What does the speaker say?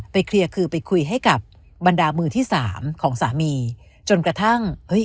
เคลียร์คือไปคุยให้กับบรรดามือที่สามของสามีจนกระทั่งเฮ้ย